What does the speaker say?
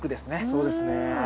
そうですね。